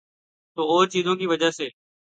تو اورچیزوں کی وجہ سے۔